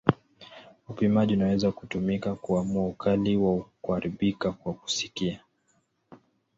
Upimaji unaweza kutumika kuamua ukali wa kuharibika kwa kusikia.